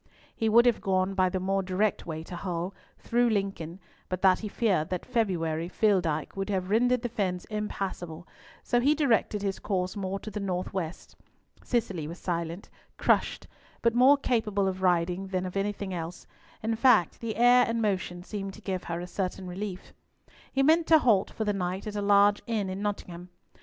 He would have gone by the more direct way to Hull, through Lincoln, but that he feared that February Filldyke would have rendered the fens impassable, so he directed his course more to the north west. Cicely was silent, crushed, but more capable of riding than of anything else; in fact, the air and motion seemed to give her a certain relief. He meant to halt for the night at a large inn at Nottingham.